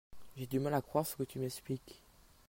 J'ai du mal à coire ce que tu m'expliques.